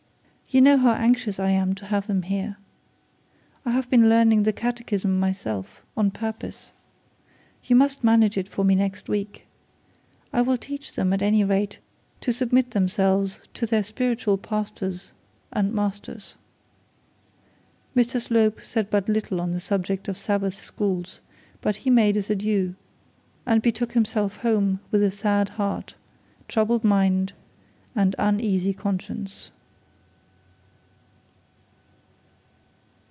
You know how anxious I am to have them here. I have been learning the catechism myself, on purpose. You must manage it for me next week. I will teach them, at any rate, to submit themselves to their spiritual pastors and masters.' Mr Slope said but little on the subject of Sabbath schools, but he made his adieu, and betook himself home with a sad heart, troubled mind, and uneasy conscience.